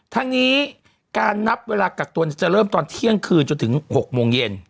ทั้งนี้การนับเวลากักตัวจะเริ่มตอนเที่ยงคืนจนถึง๖โมงเย็น